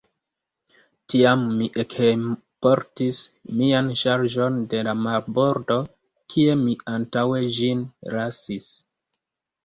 Tiam mi ekhejmportis mian ŝarĝon de la marbordo, kie mi antaŭe ĝin lasis.